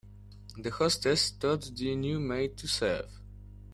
The hostess taught the new maid to serve.